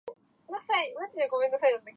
言語足りなすぎだろ